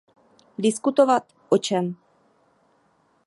Diskutovat o čem?